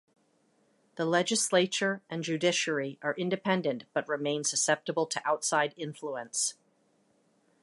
The legislature and judiciary are independent but remain susceptible to outside influence.